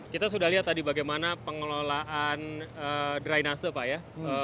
kita sudah lihat tadi bagaimana pengelolaan drainase pak ya